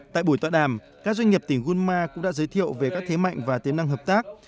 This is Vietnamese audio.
tại buổi tọa đàm các doanh nghiệp tỉnh gunma cũng đã giới thiệu về các thế mạnh và tiềm năng hợp tác